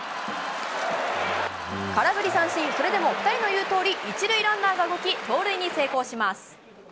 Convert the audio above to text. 空振り三振、それでも２人の言うとおり、１塁ランナーが動き、盗塁に成功します。